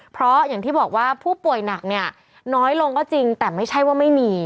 เพราะอย่างที่บอกว่าผู้ป่วยหนักเนี่ยน้อยลงก็จริงแต่ไม่ใช่ว่าไม่มี